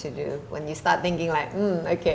ketika kamu mulai berpikir hmm oke